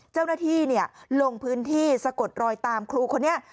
เจ้าหน้าที่ลงพื้นที่สะกดรอยตามครูคนนี้